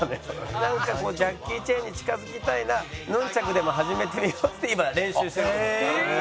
なんかジャッキー・チェンに近付きたいなヌンチャクでも始めてみようっつって今練習してるところ。